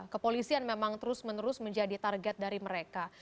kepolisian memang terus menerus menjadi target dari mereka